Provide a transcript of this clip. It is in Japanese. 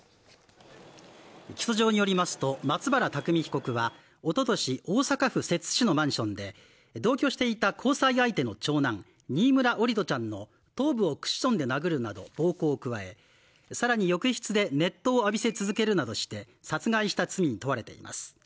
起訴状によりますと、松原拓海被告はおととし、大阪府摂津市のマンションで同居していた交際相手の長男新村桜利斗ちゃんの頭部をクッションで殴るなど暴行を加え、さらに浴室で熱湯を浴びせ続けるなどして殺害した罪に問われています。